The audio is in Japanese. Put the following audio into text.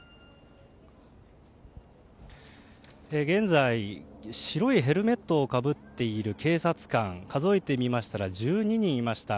現在、白いヘルメットをかぶっている警察官数えてみましたら１２人いました。